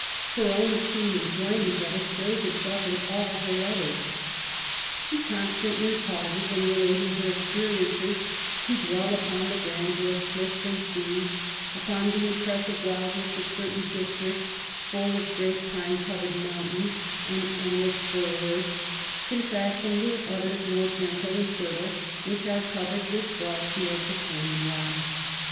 Her own keen enjoyment of it shows itself in all her letters. She constantly pauses in relating her experiences to dwell upon the grandeur of clifb and sea^ upon the impressive wildness of certain dis tricts^ full of great pine covered mountains and endless fir woods^ contrasting with others more gentle and fertile, which are covered with broad fields of corn and rye.